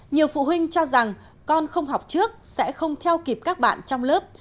nhiều phụ huynh cho rằng con không học trước sẽ không theo kịp các bạn trong lớp